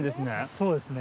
そうですね。